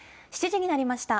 ７時になりました。